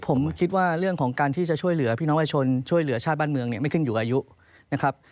ผมคิดว่าเรื่องของการที่จะช่วยเหลือพี่น้องประชาชนช่วยเหลือชาติบ้านเมืองเนี่ยไม่ขึ้นอยู่อายุนะครับ